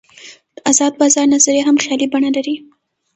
د آزاد بازار نظریه هم خیالي بڼه لري.